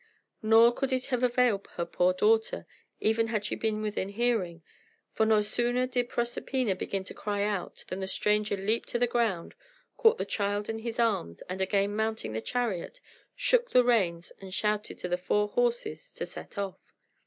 Nor could it have availed her poor daughter, even had she been within hearing; for no sooner did Proserpina begin to cry out than the stranger leaped to the ground, caught the child in his arms, and again mounting the chariot, shook the reins, and shouted to the four black horses to set off.